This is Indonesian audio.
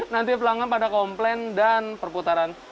nanti pelanggan pada komplain dan perputaran